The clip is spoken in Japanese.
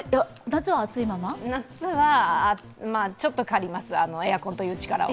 夏はちょっと借ります、エアコンという力を。